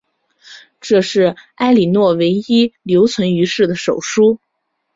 这是埃莉诺唯一留存于世的手书。